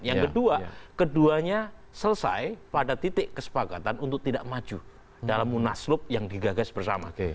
yang kedua keduanya selesai pada titik kesepakatan untuk tidak maju dalam munaslup yang digagas bersama